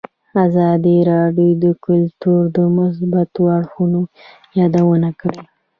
ازادي راډیو د کلتور د مثبتو اړخونو یادونه کړې.